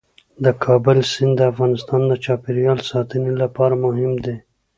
د کابل سیند د افغانستان د چاپیریال ساتنې لپاره مهم دي.